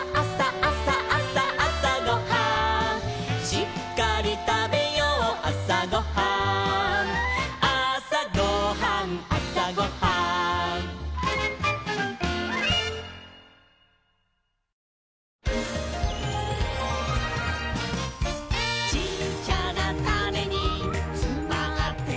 「しっかりたべようあさごはん」「あさごはんあさごはん」「ちっちゃなタネにつまってるんだ」